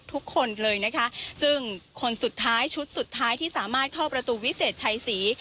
ทุกคนเลยนะคะซึ่งคนสุดท้ายชุดสุดท้ายที่สามารถเข้าประตูวิเศษชัยศรี